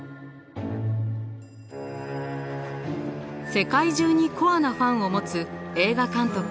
世界中にコアなファンを持つ映画監督